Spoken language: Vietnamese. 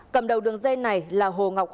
cầm đầu đường dây này là hồ ngọc hùng